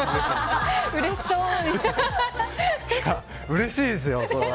うれしいですよ、それは。